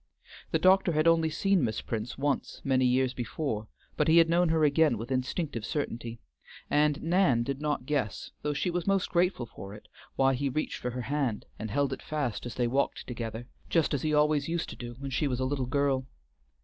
The doctor had only seen Miss Prince once many years before, but he had known her again with instinctive certainty, and Nan did not guess, though she was most grateful for it, why he reached for her hand, and held it fast as they walked together, just as he always used to do when she was a little girl.